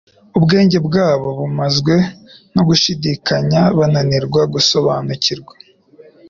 Ubwenge bwabo bumazwe no gushidikanya bananirwa gusobanukirwa